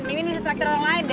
mimin bisa traktir orang lain